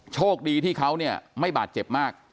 โชคดีที่เขาเนี่ยไม่บาดเจ็บมาก